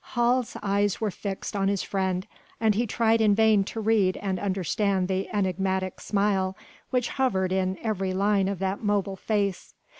Hals' eyes were fixed on his friend, and he tried in vain to read and understand the enigmatical smile which hovered in every line of that mobile face.